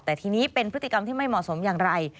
แต่ทีนี้เป็นพฤติกรรมที่ไม่เหมาะสมอย่างไร